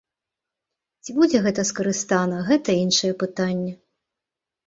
Ці будзе гэта скарыстана, гэта іншае пытанне.